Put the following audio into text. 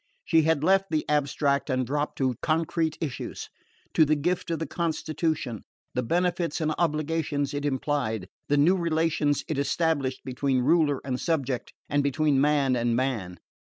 She had left the abstract and dropped to concrete issues: to the gift of the constitution, the benefits and obligations it implied, the new relations it established between ruler and subject and between man and man.